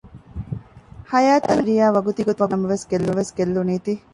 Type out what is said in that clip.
ހަޔާތަށް އައި ބައިވެރިޔާ ވަގުތީގޮތުން ނަމަވެސް ގެއްލުނީތީ